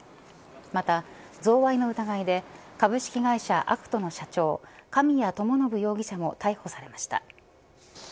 また、贈賄の疑いで株式会社アクトの社長神谷知伸容疑者も逮捕されました。